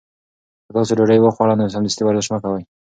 که تاسي ډوډۍ وخوړه نو سمدستي ورزش مه کوئ.